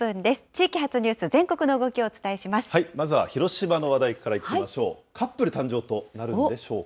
地域発ニュース、まずは広島の話題からいきましょう。